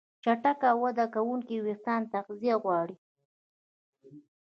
چټک وده کوونکي وېښتيان تغذیه غواړي.